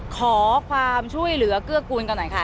ขอความช่วยเหลือเกื้อกูลกันหน่อยค่ะ